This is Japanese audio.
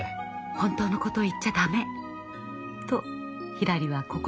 「本当のことを言っちゃ駄目！」とひらりは心の中で叫んでいました。